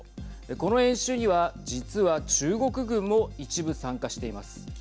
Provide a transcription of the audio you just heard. この演習には実は中国軍も一部参加しています。